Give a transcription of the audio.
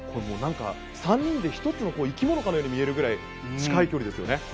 何か、３人で１つの生き物かのように見えるぐらい近い距離ですよね。